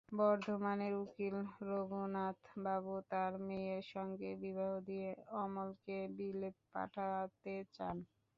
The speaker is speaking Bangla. বর্ধমানের উকিল রঘুনাথবাবু তাঁর মেয়ের সঙ্গে বিবাহ দিয়ে অমলকে বিলেত পাঠাতে চান।